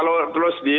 nah kalau terus diangkat